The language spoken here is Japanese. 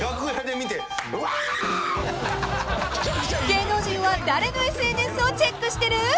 ［芸能人は誰のＳＮＳをチェックしてる？］